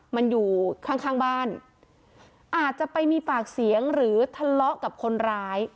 มันอยู่ข้างข้างบ้านอาจจะไปมีปากเสียงหรือทะเลาะกับคนร้าย